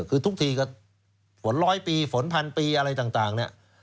คือทุกทีก็ฝนร้อยปีฝนพันปีอะไรต่างเนี่ย